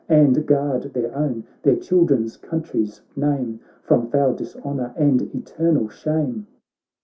And guard their own, their children's, country's name. From foul dishonour and eternal shame